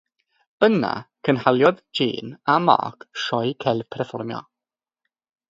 Yna cynhaliodd Jane a Mark sioe celf perfformio.